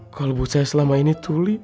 kalau ibu saya selama ini tuli